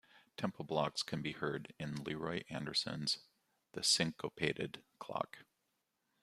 Temple blocks can be heard in Leroy Anderson's "The Syncopated Clock".